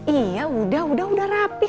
iya udah udah rapi